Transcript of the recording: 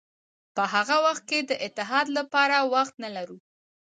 په هغه وخت کې د اتحاد لپاره وخت نه لرو.